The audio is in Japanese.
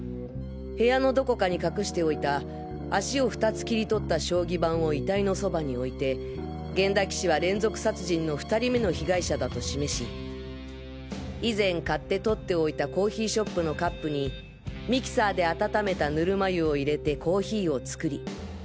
部屋のどこかに隠しておいた脚を２つ切り取った将棋盤を遺体のそばに置いて源田棋士は連続殺人の２人目の被害者だと示し以前買ってとっておいたコーヒーショップのカップにミキサーで温めたぬるま湯を入れてコーヒーを作り